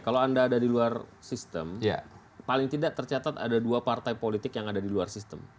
kalau anda ada di luar sistem paling tidak tercatat ada dua partai politik yang ada di luar sistem